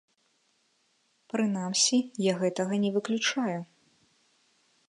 Прынамсі, я гэтага не выключаю.